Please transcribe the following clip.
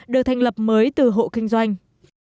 được thành lập mới từ hộ kinh doanh